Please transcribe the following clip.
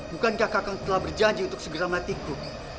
bukankah kakak telah berjanji untuk segera matiku